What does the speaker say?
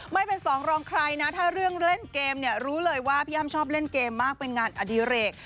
ไม่เป็นสองรองใครนะถ้าเรื่องเล่นเกมเนี่ยรู้เลยว่าพี่อ้ำชอบเล่นเกมมากเป็นงานอดิเรก